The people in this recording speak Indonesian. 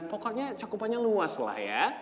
pokoknya cakupannya luas lah ya